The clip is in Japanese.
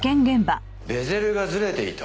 ベゼルがずれていた。